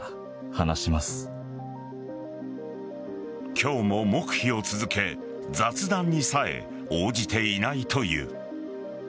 今日も黙秘を続け雑談にさえ応じていないという。